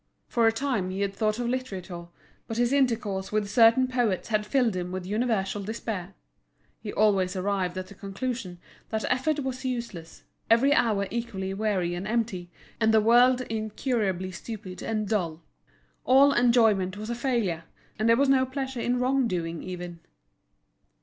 For a time he had thought of literature, but his intercourse with certain poets had filled him with universal despair. He always arrived at the conclusion that effort was useless, every hour equally weary and empty, and the world incurably stupid and dull. All enjoyment was a failure, and there was no pleasure in wrong doing even.